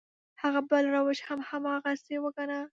هغه بل روش هم هماغسې وګڼه.